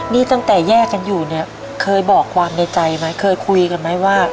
นี่ตั้งแต่แยกกันอยู่เนี่ยเคยบอกความในใจไหมเคยคุยกันไหมว่า